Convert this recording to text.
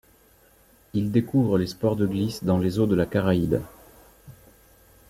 Il découvre les sports de glisse dans les eaux de la Caraïbe.